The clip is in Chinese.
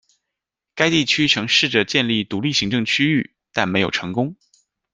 该地区曾试着建立独立行政区域，但没有成功。